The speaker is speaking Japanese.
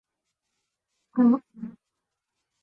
あっわわわ